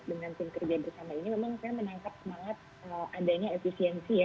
dengan tim kerja bersama ini memang saya menangkap semangat adanya efisiensi ya